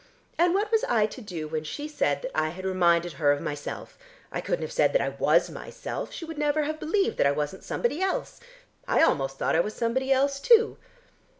And what was I to do when she said that I had reminded her of myself? I couldn't have said that I was myself. She would never have believed that I wasn't somebody else. I almost thought I was somebody else, too."